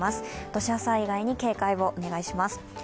土砂災害に警戒をお願いします。